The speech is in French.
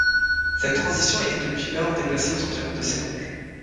Cette transition a été depuis lors déplacée aux environs de Sélange.